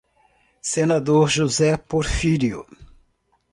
Senador José Porfírio